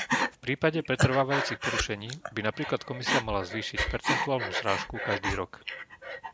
V prípade pretrvávajúcich porušení by napríklad Komisia mala zvýšiť percentuálnu zrážku každý rok.